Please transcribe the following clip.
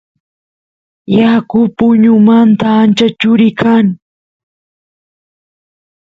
yaku puñumanta ancha churi kan